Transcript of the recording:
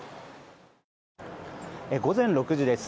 午前６時です。